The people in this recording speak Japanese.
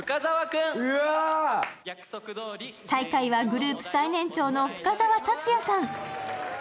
最下位はグループ最年長の深澤辰哉さん。